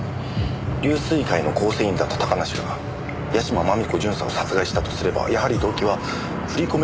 龍翠会の構成員だった高梨が屋島真美子巡査を殺害したとすればやはり動機は振り込め